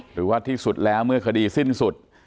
หรือว่าที่สุดแล้วเมื่อคดีสิ้นสุด